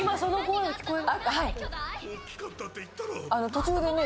途中でね